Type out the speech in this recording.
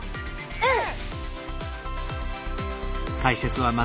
うん！